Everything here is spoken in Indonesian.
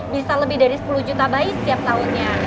bisa lebih dari sepuluh juta bayi setiap tahunnya